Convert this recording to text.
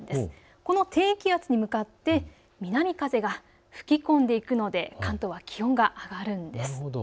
この低気圧に向かって南風が吹き込んでいくので関東は気温が上がるんです。